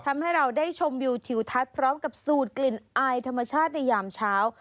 ทำให้เราได้ชมวิวทิวทัศน์พร้อมกับสูตรกลิ่นอายธรรมชาติในยามเช้า